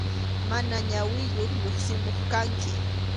Mana ñawiyuq lluqsimuq kanki.